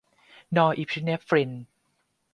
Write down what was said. นอร์เอพิเนฟริน